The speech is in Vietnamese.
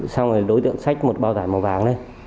xong rồi đối tượng xách một bao tải màu vàng lên